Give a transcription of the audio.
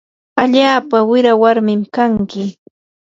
allaapa wira warmin kanki.